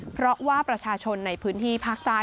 เพราะว่าประชาชนในพื้นที่ภาคใต้